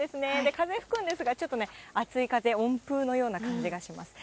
風吹くんですが、ちょっとね、あつい風、温風のような感じがします。